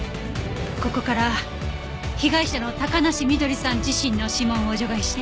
ここから被害者の高梨翠さん自身の指紋を除外して。